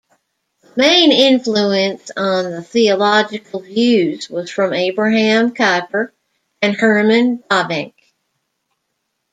The main influence on the theological views was from Abraham Kuyper and Herman Bavinck.